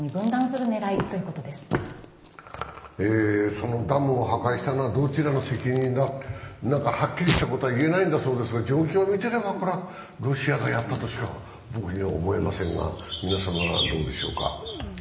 そのダムを破壊したのはどちらの責任だ、はっきりしたことは言えないんだそうですが、状況をみれば、これはロシアがやったとしか僕には思えませんが皆さんはいかがでしょうか。